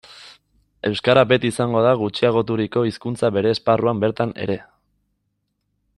Euskara beti izango da gutxiagoturiko hizkuntza bere esparruan bertan ere.